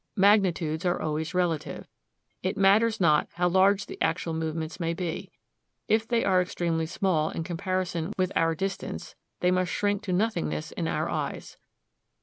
Magnitudes are always relative. It matters not how large the actual movements may be; if they are extremely small in comparison with our distance, they must shrink to nothingness in our eyes.